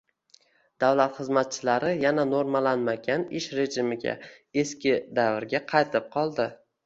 Davlat xizmatchilari yana normalanmagan ish rejimiga eski davrga qaytib qoldi.